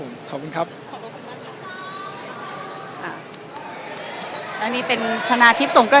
สวัสดีครับขออนุญาตถ้าใครถึงแฟนทีลักษณ์ที่เกิดอยู่แล้วค่ะ